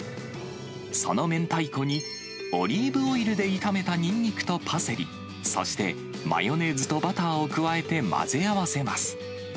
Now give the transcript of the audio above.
その明太子にオリーブオイルで炒めたニンニクとパセリ、そしてマヨネーズとバターを加えて混ぜ合わせます。